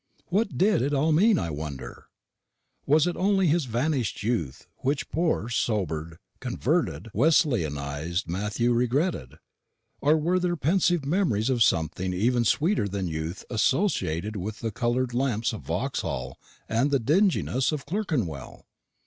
What did it all mean, I wonder? Was it only his vanished youth, which poor, sobered, converted, Wesleyanised Matthew regretted? or were there pensive memories of something even sweeter than youth associated with the coloured lamps of Vauxhall and the dinginess of Clerkenwell?